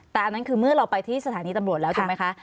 แต่อันนั้นคือเมื่อเราไปที่สถานีตำรวจแล้วถูกไหมคะ